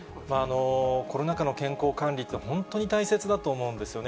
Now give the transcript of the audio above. コロナ禍の健康管理って、本当に大切だと思うんですよね。